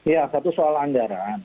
ya satu soal anggaran